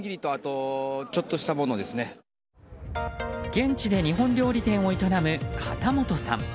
現地で日本料理店を営む幡本さん。